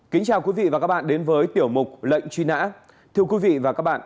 kính chào quý vị và các bạn đến với tiểu mục lệnh truy nã